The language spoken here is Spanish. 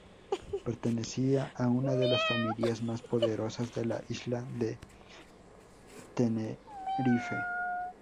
Pertenecía a una de las familias más poderosas de la isla de Tenerife.